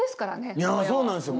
いやそうなんですよ。